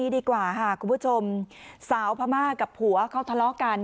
ดีกว่าค่ะคุณผู้ชมสาวพม่ากับผัวเขาทะเลาะกัน